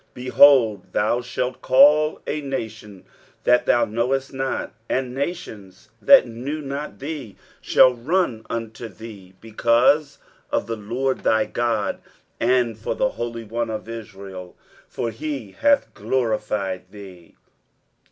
23:055:005 Behold, thou shalt call a nation that thou knowest not, and nations that knew not thee shall run unto thee because of the LORD thy God, and for the Holy One of Israel; for he hath glorified thee.